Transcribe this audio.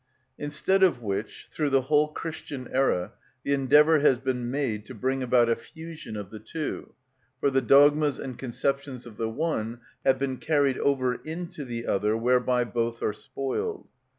Instead of which, through the whole Christian era, the endeavour has been to bring about a fusion of the two, for the dogmas and conceptions of the one have been carried over into the other, whereby both are spoiled.